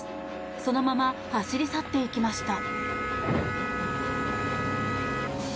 そのまま走り去っていきました。